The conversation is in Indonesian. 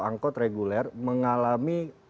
angkot reguler mengalami